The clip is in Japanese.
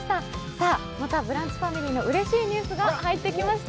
さあ、またブランチファミリーのうれしいニュースが入ってきました。